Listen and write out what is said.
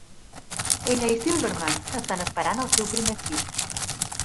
Ella i Silverman estan esperant el seu primer fill.